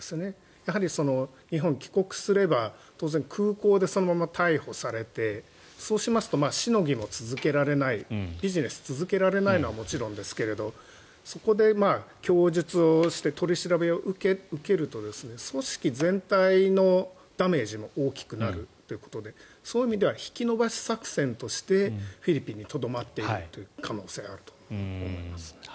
やはり、日本に帰国すれば当然、空港でそのまま逮捕されてそうしますとしのぎも続けられないビジネスが続けられないのはもちろんですがそこで供述をして取り調べを受けると組織全体のダメージも大きくなるということでそういう意味では引き延ばし作戦としてフィリピンにとどまっている可能性があると思います。